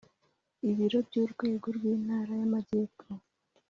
iBiro by urwego rw Intara ya majyepfo